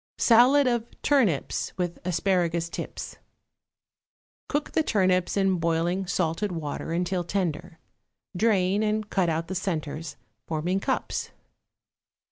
=Salad of Turnips with Asparagus Tips.= Cook the turnips in boiling salted water until tender; drain, and cut out the centres, forming cups.